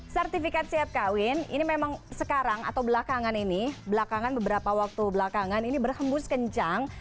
sertifikat siap kawin ini memang sekarang atau belakangan ini belakangan beberapa waktu belakangan ini berhembus kencang